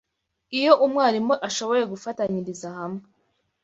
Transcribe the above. Iyo umwarimu ashoboye gufatanyiriza hamwe